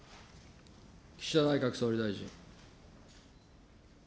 岸田内閣総理大臣。